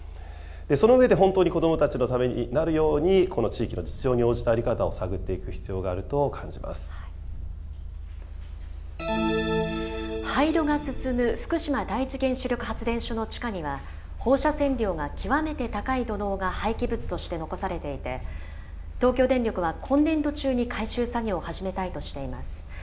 その上で本当に子どもたちのためになるように、地域の実情に応じた在り方を探っていく必要がある廃炉が進む福島第一原子力発電所の地下には、放射線量が極めて高い土のうが廃棄物として残されていて、東京電力は今年度中に回収作業を始めたいとしています。